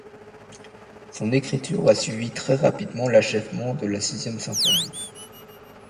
Son écriture a suivi très rapidement l'achèvement de la sixième symphonie.